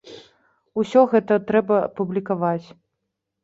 Усё гэта трэба публікаваць.